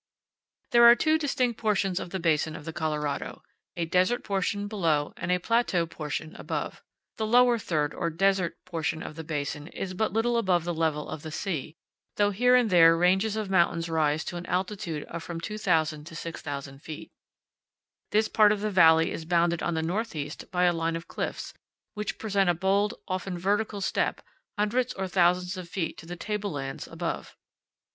There are two distinct portions of the basin of the Colorado, a desert portion below and a plateau portion above. The lower third, or desert portion of the basin, is but little above the level of the sea, though here and there ranges of moun THE VALLEY OF THE COLORADO. 19 tains rise to an altitude of from 2,000 to 6,000 feet. This part of the valley is bounded on the northeast by a line of cliffs, which present a bold, often vertical step, hundreds or thousands of feet to the table lands above.